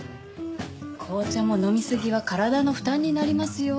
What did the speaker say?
紅茶も飲みすぎは体の負担になりますよ。